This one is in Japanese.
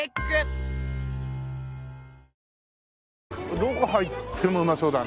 どこ入ってもうまそうだね。